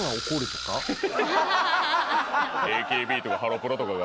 ＡＫＢとかハロプロとかが。